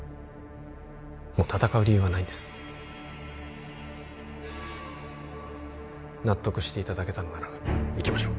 もう戦う理由はないんです納得していただけたのなら行きましょう・